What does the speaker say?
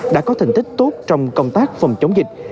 đã có thành tích tốt trong công tác phòng chống dịch